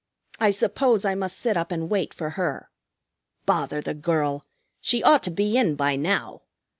I suppose I must sit up and wait for her. Bother the girl! She ought to be in by now.